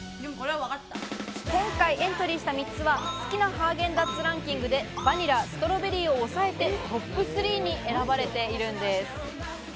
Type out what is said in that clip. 今回エントリーした３つは、好きなハーゲンダッツランキングでバニラ、ストロベリーを抑えてトップ３に選ばれています。